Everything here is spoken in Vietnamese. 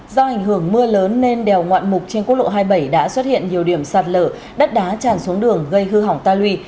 do ảnh hưởng mưa lớn nên đèo ngoạn mục trên quốc lộ hai mươi bảy đã xuất hiện nhiều điểm sạt lở đất đá tràn xuống đường gây hư hỏng ta lùi